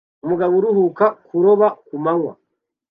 Umugabo uruhuka kuroba kumanywa